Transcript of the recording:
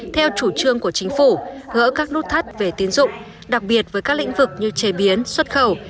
theo chủ trương của chính phủ gỡ các nút thắt về tín dụng đặc biệt với các lĩnh vực như chế biến xuất khẩu